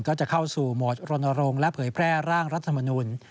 ก็จะเข้าสู่โหมดรณรงค์และเผยแพร่ร่างรัฐมนุน